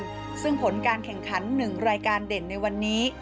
ซึ่งผลการแข่งขัน๑รายการเด่นในวันนี้